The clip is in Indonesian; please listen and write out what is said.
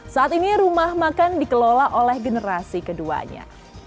saat ini rumah makan dikelola oleh generasi keduanya